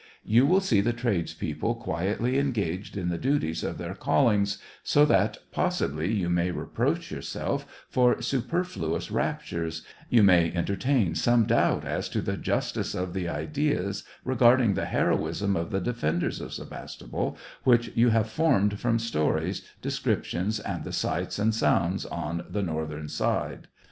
You will see the tradespeople quietly engaged in the duties of their callings, so that, possibly, you may reproach your self for superfluous raptures, you may entertain some doubt as to the justice of the ideas regard ing the heroism of the defenders of Sevastopol which you have formed from stories, descriptions, and the sights and sounds on the northern side.